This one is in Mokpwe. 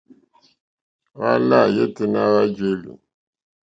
Hwá lâ yêténá hwá jēlì.